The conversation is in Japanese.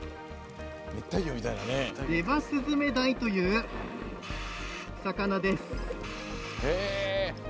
デバスズメダイという魚です。